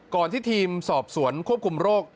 ที่ทีมสอบสวนควบคุมโรค